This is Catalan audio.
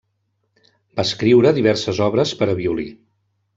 Va escriure diverses obres per a violí.